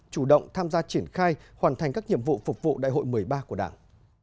chủ động tham gia triển khai hoàn thành các nhiệm vụ phục vụ đại hội một mươi ba của đảng